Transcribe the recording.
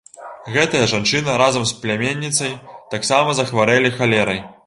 Гэтая жанчына разам з пляменніцай таксама захварэлі халерай.